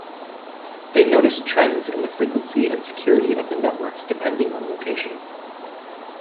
They noticed trends in the frequency and security of the networks depending on location.